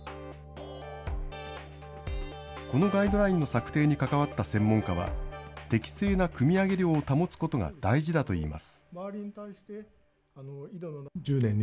このガイドラインの策定に関わった専門家は、適正なくみ上げ量を保つことが大事だといいます。